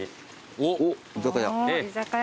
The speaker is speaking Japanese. おっ居酒屋。